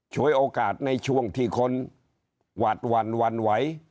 ฉวยโอกาสในช่วงที่คนหวาดหวั่นหวั่นไหว